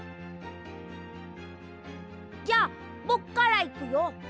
じゃあぼくからいくよ。